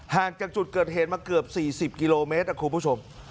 ห่างจากจุดเกิดเห็นมาเกือบสี่สิบกิโลเมตรครูผู้ชม